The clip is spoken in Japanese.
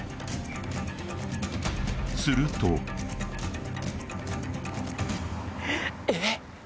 するとえっ